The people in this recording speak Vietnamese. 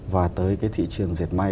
và tới cái thị trường diệt may